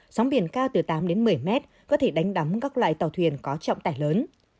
sóng biển cao từ tám đến một mươi mét có thể đánh đắm các loại tàu thuyền có trọng tải lớn